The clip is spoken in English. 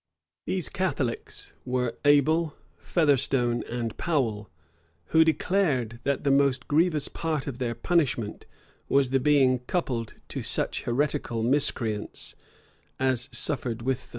These Catholics were Abel, Fetherstone, and Powel, who declared, that the most grievous part of their punishment was the being coupled to such heretical miscreants as suffered with them.